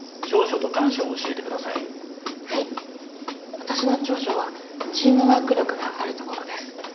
わたしの長所はチームワーク力があるところです。